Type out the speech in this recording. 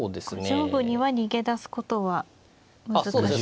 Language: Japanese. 上部には逃げ出すことは難しいですね。